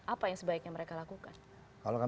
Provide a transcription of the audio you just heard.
apa yang sebaiknya mereka lakukan